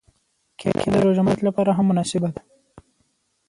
کېله د روژه ماتي لپاره هم مناسبه ده.